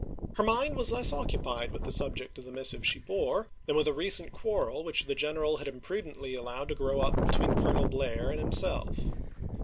Her mind was less occupied with the subject of the mis sive she bore than with a recent quarrel which the general had imprudently allowed to grow up between Colonel Blair and himself.